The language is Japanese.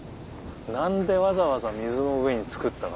何でわざわざ水の上に造ったの？